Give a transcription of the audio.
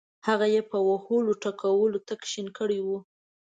هغه یې په وهلو ټکولو تک شین کړی وو.